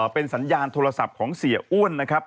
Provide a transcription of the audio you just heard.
เป็นสัญญาณโทรศัพท์ของเสียอ้วนนะครับ